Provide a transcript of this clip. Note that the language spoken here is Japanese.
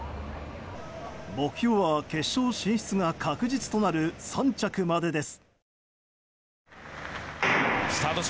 目標は決勝進出が確実となる３着までです。